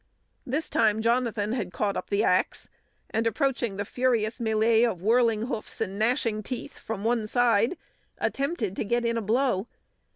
This time Jonathan had caught up the axe, and approaching the furious mêlée of whirling hoofs and gnashing teeth from one side, attempted to get in a blow.